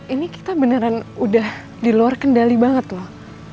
ini kita beneran udah di luar kendali banget loh